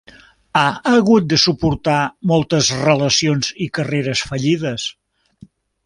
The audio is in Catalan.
Ha hagut de suportar moltes relacions i carreres fallides.